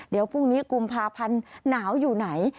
เดี๋ยวพรุ่งนี้กุมภาพันธ์หนาวอยู่ไหน